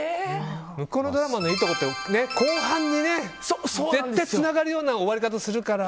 向こうのドラマのいいところって後半にね、絶対つながるような終わり方するから。